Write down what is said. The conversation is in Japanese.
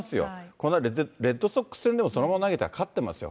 この間レッドソックス戦でもそのまま投げて勝ってますよ。